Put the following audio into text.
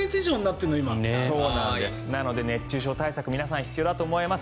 なので熱中症対策皆さん必要だと思います。